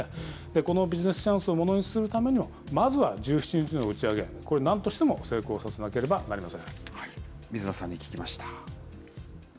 このビジネスチャンスをものにするためにも、まずは１７日の打ち上げ、これ、なんとしても成功させなければなりません。